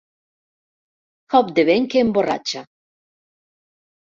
Cop de vent que emborratxa.